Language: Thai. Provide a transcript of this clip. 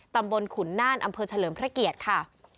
ตำบลขุนน่านอำเภอเฉลิมพระเกียรติค่ะ